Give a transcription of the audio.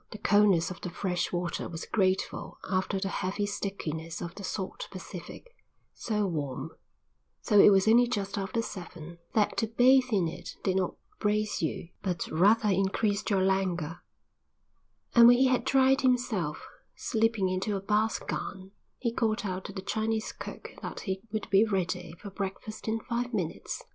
The coldness of the fresh water was grateful after the heavy stickiness of the salt Pacific, so warm, though it was only just after seven, that to bathe in it did not brace you but rather increased your languor; and when he had dried himself, slipping into a bath gown, he called out to the Chinese cook that he would be ready for breakfast in five minutes.